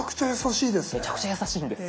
めちゃくちゃ優しいですね。